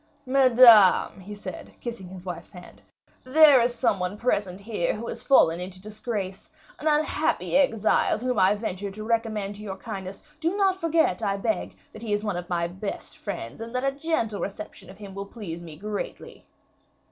"Madame," he said, kissing his wife's hand, "there is some one present here, who has fallen into disgrace, an unhappy exile whom I venture to recommend to your kindness. Do not forget, I beg, that he is one of my best friends, and that a gentle reception of him will please me greatly."